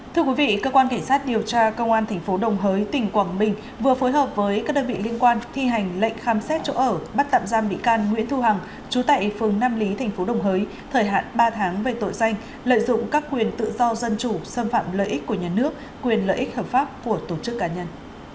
thưa quý vị cơ quan cảnh sát điều tra công an tp đồng hới tỉnh quảng bình vừa phối hợp với các đơn vị liên quan thi hành lệnh khám xét chỗ ở bắt tạm giam bị can nguyễn thu hằng chú tại phường nam lý tp đồng hới thời hạn ba tháng về tội danh lợi dụng các quyền tự do dân chủ xâm phạm lợi ích của nhà nước quyền lợi ích hợp pháp của tổ chức cá nhân